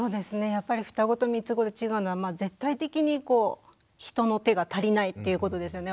やっぱりふたごとみつごで違うのは絶対的にこう人の手が足りないっていうことですよね。